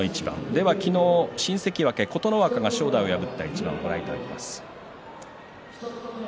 では昨日、新関脇琴ノ若が正代を破った一番をご覧いただきます。